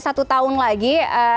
satu tahun lagi